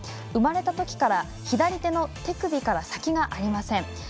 生まれたときから左手の手首から先がありません。